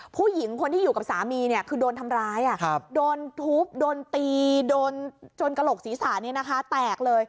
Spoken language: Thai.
ผู้หญิงคนที่อยู่กับสามีคือโดนทำร้ายโดนทุบโดนตีโดนจนกระโหลกศีรษะแตกเลย